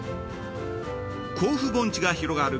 甲府盆地が広がる